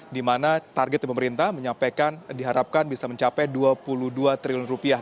di mana target pemerintah menyampaikan diharapkan bisa mencapai dua puluh dua triliun rupiah